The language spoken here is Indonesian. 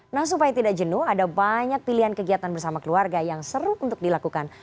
nah supaya tidak jenuh ada banyak pilihan kegiatan bersama keluarga yang seru untuk dilakukan